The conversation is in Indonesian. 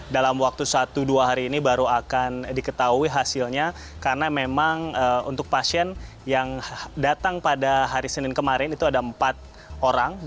dalam waktu satu dua hari ini baru akan diketahui hasilnya karena memang untuk pasien yang datang pada hari senin kemarin itu ada empat orang